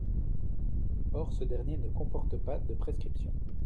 Or ce dernier ne comporte pas de prescriptions.